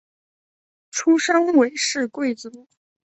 出身韦氏贵族。